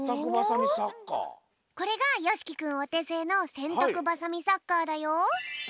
これがよしきくんおてせいのせんたくバサミサッカーだよ！